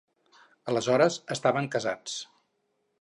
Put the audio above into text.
Aleshores, estaven casats.